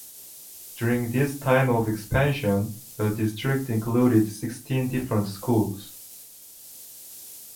During this time of expansion, the district included sixteen different schools.